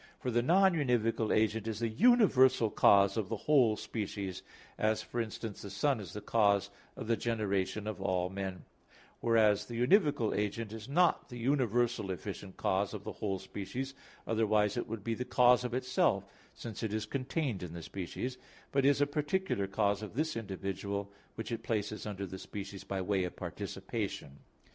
For the non univocal agent is the universal cause of the whole species, as for instance the sun is the cause of the generation of all men; whereas the univocal agent is not the universal efficient cause of the whole species (otherwise it would be the cause of itself, since it is contained in the species), but is a particular cause of this individual which it places under the species by way of participation.